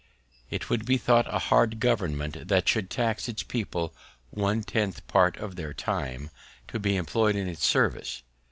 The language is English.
It would be thought a hard Government that should tax its People one tenth Part of their Time, to be employed in its Service.